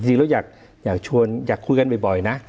จริงแล้วอยากชวนอยากคุยกันบ่อยนะ